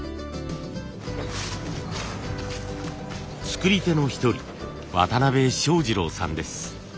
作り手の一人渡邊昇次郎さんです。